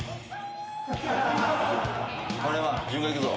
丸山巡回行くぞ。